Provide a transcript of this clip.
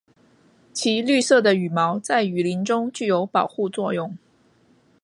其绿色的羽毛在雨林中具有保护作用。